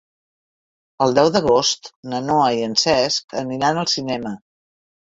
El deu d'agost na Noa i en Cesc aniran al cinema.